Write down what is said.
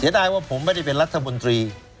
เสียดายว่าผมไม่ได้เป็นรัฐบนตรี